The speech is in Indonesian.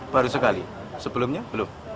baru sekali sebelumnya belum